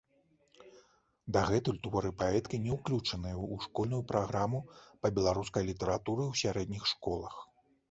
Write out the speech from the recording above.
Дагэтуль творы паэткі не ўключаныя ў школьную праграму па беларускай літаратуры ў сярэдніх школах.